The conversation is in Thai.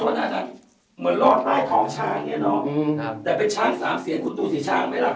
เหมือนรอดลายทองช้างอย่างนี้เนอะแต่เป็นช้างสามเซียนคุณดูสิช้างไหมล่ะ